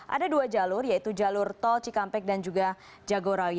ada dua jalur yaitu jalur tol cikampek dan juga jagorawi